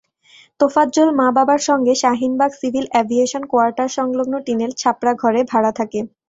তোফাজ্জল মা-বাবার সঙ্গে Shaheenbagh civil aviation কোয়ার্টারসংলগ্ন টিনের ছাপরা ঘরে ভাড়া থাকে।